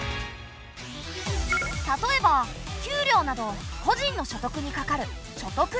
例えば給料など個人の所得にかかる所得税。